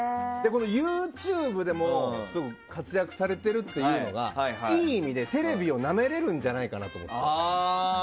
ＹｏｕＴｕｂｅでも活躍されているというのがいい意味で、テレビをなめれるんじゃないかなと思って。